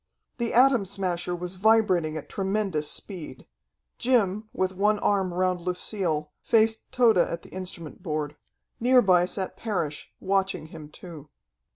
The Atom Smasher was vibrating at tremendous speed. Jim, with one arm round Lucille, faced Tode at the instrument board. Near by sat Parrish, watching him too.